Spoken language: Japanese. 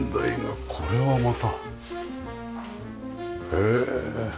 へえ。